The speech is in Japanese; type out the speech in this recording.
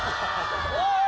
・おい！